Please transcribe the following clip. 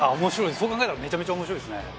そう考えたらめちゃめちゃ面白いっすね。